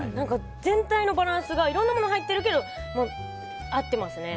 全体のバランスがいろんなものが入ってるけど合ってますね。